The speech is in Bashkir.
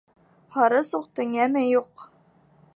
Һары суҡтың йәме юҡ.